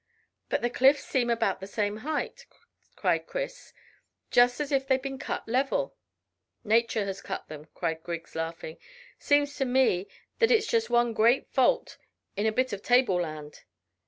"But the cliffs seem about the same height," cried Chris, "just as if they had been cut level." "Nature cut them then," cried Griggs, laughing. "Seems to me that it's just one great fault in a bit of tableland."